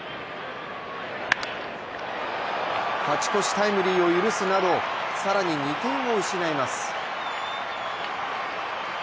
勝ち越しタイムリーを許すなど更に２点を失います。